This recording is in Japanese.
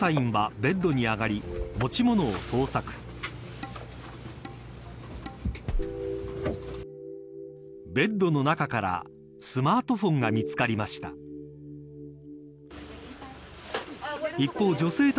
ベッドの中からスマートフォンが見つかりました。